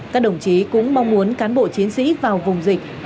các đồng chí cũng mong muốn cán bộ chiến sĩ vào vùng dịch